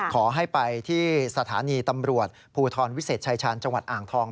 ขอให้ไปที่สถานีตำรวจภูทรวิเศษชายชาญจังหวัดอ่างทอง